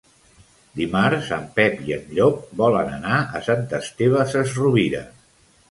Dimarts en Pep i en Llop volen anar a Sant Esteve Sesrovires.